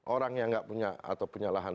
orang yang nggak punya atau punya lahan